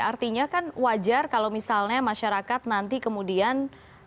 artinya kan wajar kalau misalnya masyarakat nanti kemudian